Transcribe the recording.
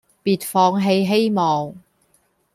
別放棄希望